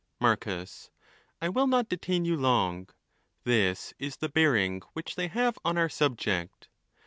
Marcus.—I will not detain you long. This is the bearing which they have on our subject.